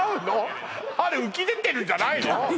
あれ浮き出てるんじゃないの？